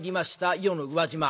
伊予の宇和島。